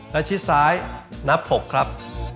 และชิดซ้ายนับ๖ครับ